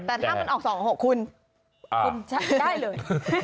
แต่ถ้ามันออก๒๖คุณคุณได้เลย